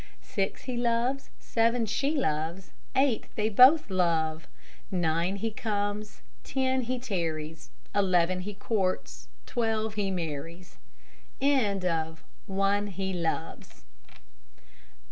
Six, he loves; seven, she loves; Eight, they both love. Nine, he comes; ten, he tarries; Eleven, he courts; twelve, he marries.